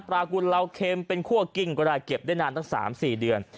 กุลเราเค็มเป็นคั่วกิ้งก็ได้เก็บได้นานตั้ง๓๔เดือน